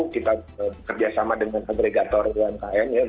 kita bekerja sama dengan agregator umkm ya